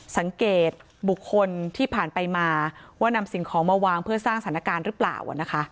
สังเกตบุคคลที่ผ่านไปมาว่านำสิ่งของมาวางเพื่อสร้างสถานการณ์หรือเปล่า